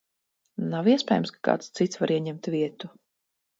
Nav iespējams, ka kāds cits var ieņemt vietu?